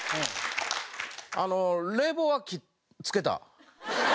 あの冷房はつけた。